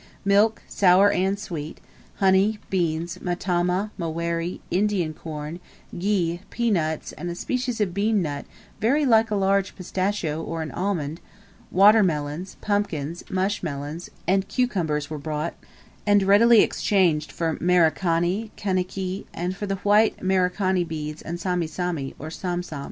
Milk, sour and sweet, honey, beans, matama, maweri, Indian corn, ghee, pea nuts, and a species of bean nut very like a large pistachio or an almond, water melons, pumpkins, mush melons, and cucumbers were brought, and readily exchanged for Merikani, Kaniki, and for the white Merikani beads and Sami Sami, or Sam Sam.